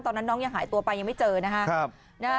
ตอนนั้นน้องยังหายตัวไปยังไม่เจอนะฮะ